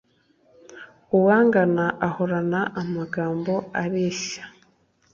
uwangana ahorana amagambo areshya